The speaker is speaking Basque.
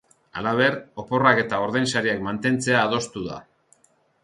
Halaber, oporrak eta ordainsariak mantentzea adostu da.